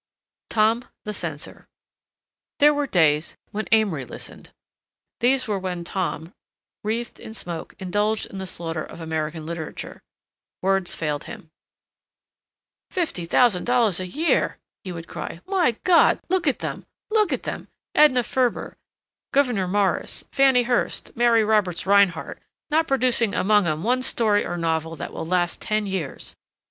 TOM THE CENSOR There were days when Amory listened. These were when Tom, wreathed in smoke, indulged in the slaughter of American literature. Words failed him. "Fifty thousand dollars a year," he would cry. "My God! Look at them, look at them—Edna Ferber, Gouverneur Morris, Fanny Hurst, Mary Roberts Rinehart—not producing among 'em one story or novel that will last ten years.